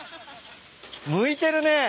むいてるね。